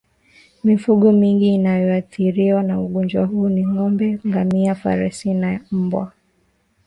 Mifugo mingine inayoathiriwa na ugonjwa huu ni ngombe ngamia farasi na mbwa